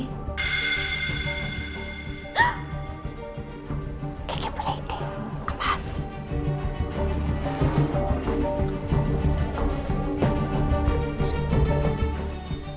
kekipulih ini apaan